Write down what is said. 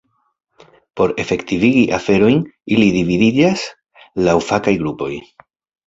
Por efektivigi aferojn, ili dividiĝas laŭ fakaj grupoj.